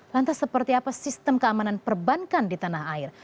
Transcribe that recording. lantas seperti apa sistem keamanan perbankan di tanah air